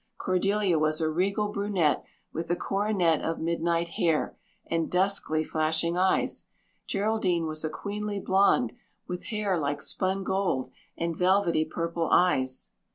Cordelia was a regal brunette with a coronet of midnight hair and duskly flashing eyes. Geraldine was a queenly blonde with hair like spun gold and velvety purple eyes."